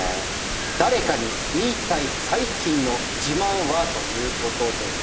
「誰かに言いたい最近の自慢は？」ということですが